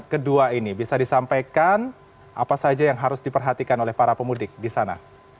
kedua ini bisa disampaikan apa saja yang harus diperhatikan oleh para pemudik di sana